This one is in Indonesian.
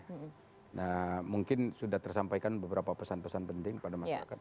nah mungkin sudah tersampaikan beberapa pesan pesan penting kepada masyarakat